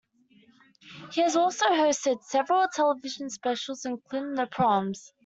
He has also hosted several television specials, including "The Proms".